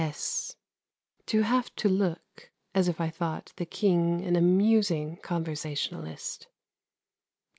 (s) To have to look as if I thought the King an amusing conversationalist.